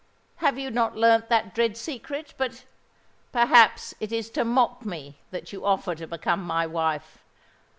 Have you not learnt that dread secret? But, perhaps, it is to mock me that you offer to become my wife!